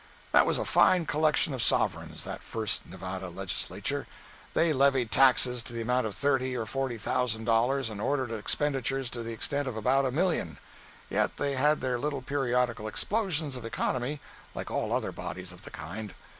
That was a fine collection of sovereigns, that first Nevada legislature. They levied taxes to the amount of thirty or forty thousand dollars and ordered expenditures to the extent of about a million. Yet they had their little periodical explosions of economy like all other bodies of the kind.